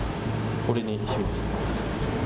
これにします。